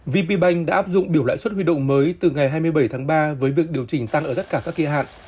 vp bank đã áp dụng biểu lãi suất huy động mới từ ngày hai mươi bảy tháng ba với việc điều chỉnh tăng ở tất cả các kỳ hạn